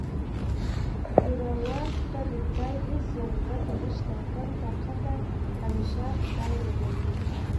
زورور ته د خدای هېڅ ضرورت نشته کم طاقته همېشه خدای یادوي